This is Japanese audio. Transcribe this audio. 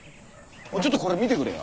ちょっとこれ見てくれよ。